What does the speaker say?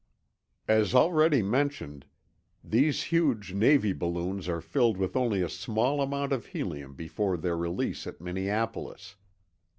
As already mentioned, these huge Navy balloons are filled with only a small amount of helium before their release at Minneapolis.